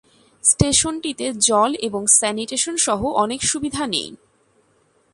স্টেশনটিতে জল এবং স্যানিটেশন সহ অনেক সুবিধা নেই।